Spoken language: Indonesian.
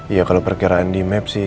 iya kalau perkiraan di map sih